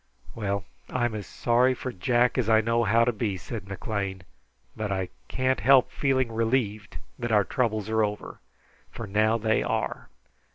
"Well, I'm as sorry for Jack as I know how to be," said McLean, "but I can't help feeling relieved that our troubles are over, for now they are.